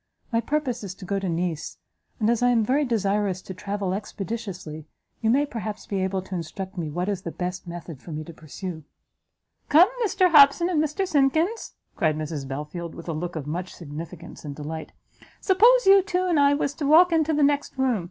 My purpose is to go to Nice, and as I am very desirous to travel expeditiously, you may perhaps be able to instruct me what is the best method for me to pursue." "Come, Mr Hobson and Mr Simkins," cried Mrs Belfield, with a look of much significance and delight, "suppose you two and I was to walk into the next room?